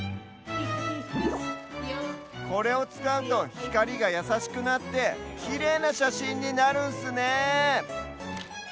これをつかうとひかりがやさしくなってきれいなしゃしんになるんスね。